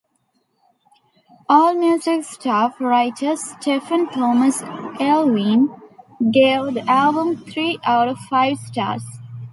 AllMusic staff writer Stephen Thomas Erlewine gave the album three out of five stars.